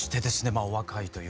まあお若いということで。